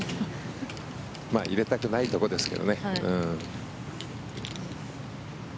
入れたくないところですけどね。